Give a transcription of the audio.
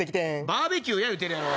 バーベキューや言うてるやろ。